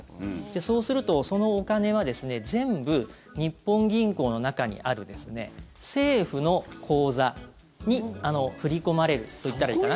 そうすると、そのお金は全部日本銀行の中にある政府の口座に振り込まれると言ったらいいかな。